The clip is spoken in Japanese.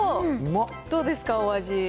どうですか、お味。